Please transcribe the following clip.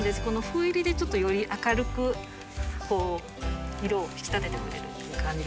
この斑入りでちょっとより明るく色を引き立ててくれる感じあります。